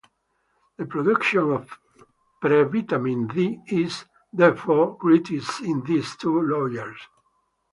The production of pre-vitamin D is, therefore, greatest in these two layers.